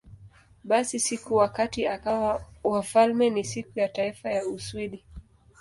Basi, siku wakati akawa wafalme ni Siku ya Taifa ya Uswidi.